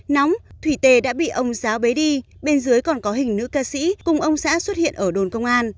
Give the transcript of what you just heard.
nóng thủy tề đã bị ông giáo bấy đi bên dưới còn có hình nữ ca sĩ cùng ông xã xuất hiện ở đồn công an